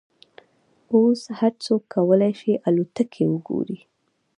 اوس هر څوک کولای شي الوتکې وګوري.